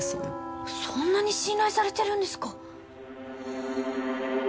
そんなに信頼されてるんですか？